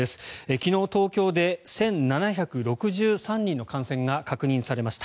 昨日、東京で１７６３人の感染が確認されました。